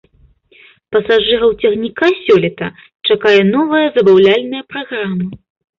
Пасажыраў цягніка сёлета чакае новая забаўляльная праграма.